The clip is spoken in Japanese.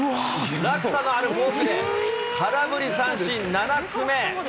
落差のあるフォークで空振り三振７つ目。